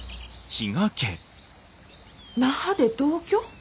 那覇で同居？